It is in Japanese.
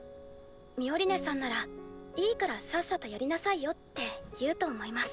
ミオリネさんなら「いいからさっさとやりなさいよ」って言うと思います。